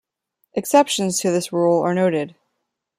Exceptions to this rule are noted.